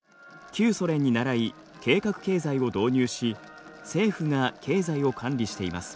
旧ソ連にならい計画経済を導入し政府が経済を管理しています。